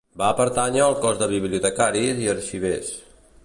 Va pertànyer al Cos de Bibliotecaris i Arxivers.